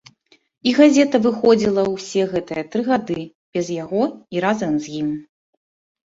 І газета выходзіла ўсе гэтыя тры гады, без яго і разам з ім.